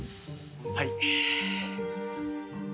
はい。